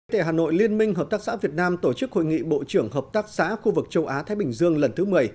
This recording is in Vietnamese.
tại hà nội liên minh hợp tác xã việt nam tổ chức hội nghị bộ trưởng hợp tác xã khu vực châu á thái bình dương lần thứ một mươi